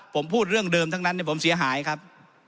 ผมพูดเรื่องเดิมทั้งนั้นผมเสียหายครับ